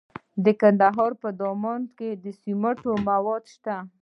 د کندهار په دامان کې د سمنټو مواد شته.